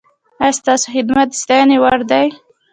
ایا ستاسو خدمت د ستاینې وړ دی؟